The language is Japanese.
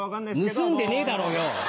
盗んでねえだろうよ！